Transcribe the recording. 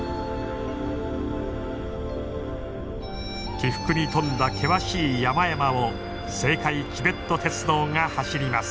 起伏に富んだ険しい山々を青海チベット鉄道が走ります。